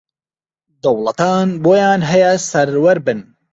دەوڵەتان بۆیان ھەیە سەروەر بن